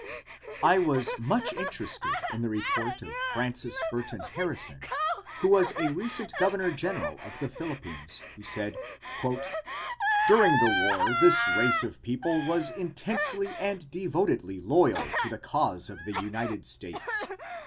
I was much interested in the report of Francis Burton Harrison who was a recent governor general of the Philippines who said, "During the war this race of people was intensely and devotedly loyal to the cause of the United States.